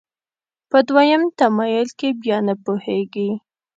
په دویم تمایل کې بیا نه پوهېږي.